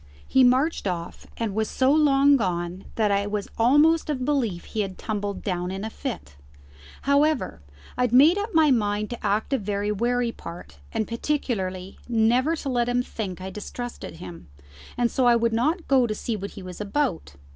He marched off, and was so long gone that I was almost of belief he had tumbled down in a fit. However, I had made up my mind to act a very wary part; and particularly never to let him think I distrusted him, and so I would not go to see what he was about.